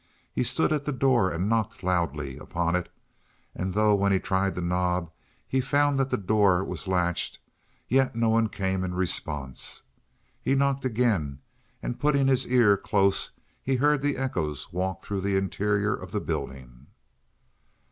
He stood at the door and knocked loudly upon it, and though, when he tried the knob, he found that the door was latched, yet no one came in response. He knocked again, and putting his ear close he heard the echoes walk through the interior of the building.